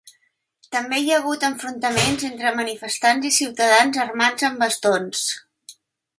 També hi ha hagut enfrontaments entre manifestants i ciutadans armats amb bastons.